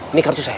ini kartu saya